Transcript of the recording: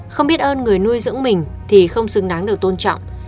không biết ơn người nuôi dưỡng mình thì không xứng đáng được tôn trọng